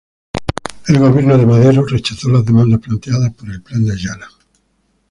El gobierno de Madero rechazó las demandas planteadas por el Plan de Ayala.